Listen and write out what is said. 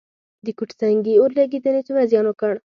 د کوټه سنګي اورلګیدنې څومره زیان وکړ؟